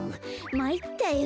まいったよ。